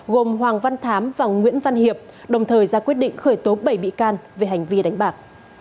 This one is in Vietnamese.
gồm hoàng văn thám và nguyễn văn hiệp đồng thời ra quyết định khởi tố bảy bị can về hành vi đánh bạc